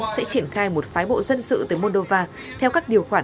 sẽ triển khai một phái bộ dân sự tới moldova theo các điều khoản